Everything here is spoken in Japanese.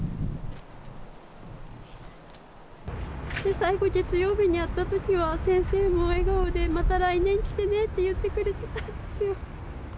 最後、月曜日に会ったときは、先生も笑顔で、また来年来てねって言ってくれてたんですよ。